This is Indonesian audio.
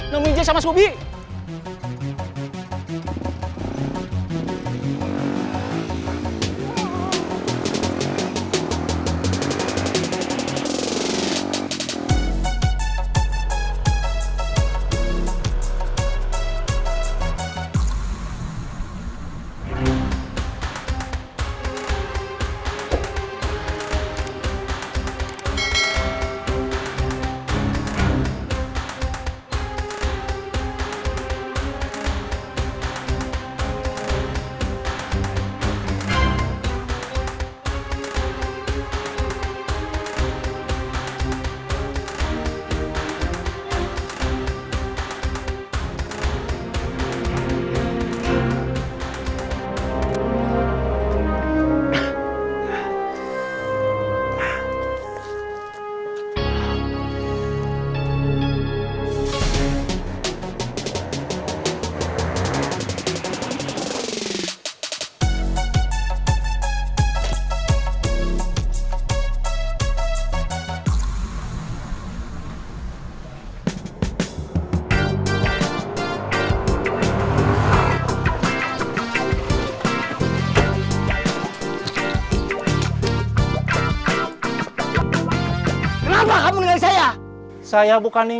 memin hidup sama subi